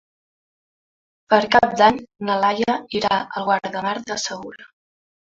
Per Cap d'Any na Laia irà a Guardamar del Segura.